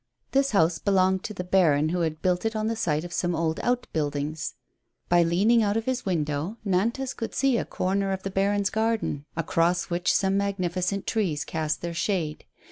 This house belonged to the baron, who had built it on the site of some old out buildiugs. By leaning out of his win dow, Nantas could see a corner of the baron's garden, across which some magnificent trees cast their shade.